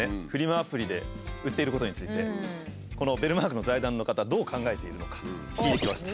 アプリで売っていることについてこのベルマークの財団の方どう考えているのか聞いてきました。